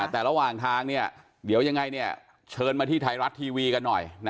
แต่ระหว่างทางเชิญมาถ่ายรัสทีวีกันหน่อย